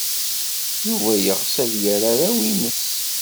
Yuba yeɣs ad yel arraw-nnes.